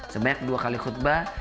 sebanyak dua kali khutbah